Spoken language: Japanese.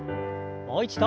もう一度。